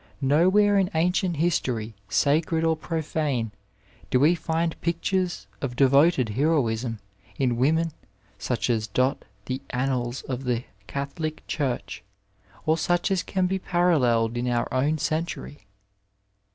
Nowhere in ancient history, sacred or profane, do we find pictures of devoted heroism in women such as dot the annals of the Gatholic Church, or such as can be paralleled in our own century.